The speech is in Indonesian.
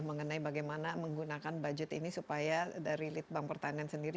mengenai bagaimana menggunakan budget ini supaya dari lead bank pertanian sendiri